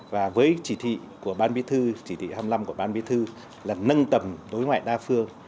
và với chỉ thị của ban bí thư chỉ thị hai mươi năm của ban bí thư là nâng tầm đối ngoại đa phương